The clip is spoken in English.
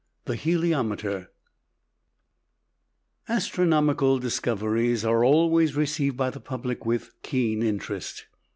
THE HELIOMETER Astronomical discoveries are always received by the public with keen interest.